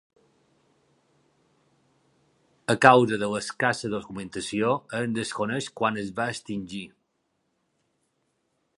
A causa de l'escassa documentació, es desconeix quan es va extingir.